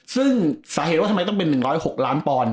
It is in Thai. ซึ่งสาเหตุว่าทำไมต้องเป็น๑๐๖ล้านปอนด